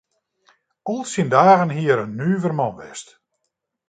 Al syn dagen hie er in nuver man west.